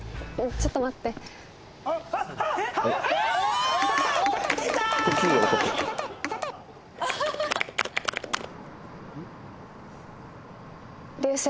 ちょっと待って流星。